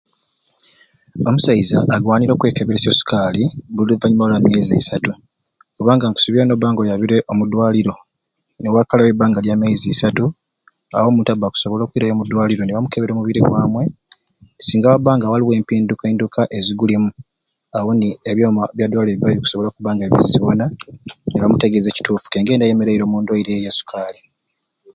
Omusaiza agwaniire okwekeberesya o sukaali buli luvanyuma lwa myezi isatu kubanga nkusuubira n'obba nga oyabire omu ddwaliro niwaakalawo ebbanga lya myezi isatu awo omuntu abba akusobola okwirayo omudwaliro nibamukebera omubiri gwamwe singa wabba nga waliwo empindukainduka ezigulimu awo ni ebyoma bya ddwaliro bibba busobola okubba nga bikuzibona nibamutegeeza ekituufu k'engeri nayemereiremu omundwaire eyo eya sukaali.